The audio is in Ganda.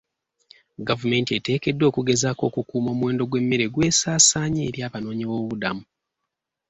Gavumenti eteekeddwa okugezaako okukuuma omuwendo gw'emmere gw'esaasaanya eri abanoonyi b'obubuddamu.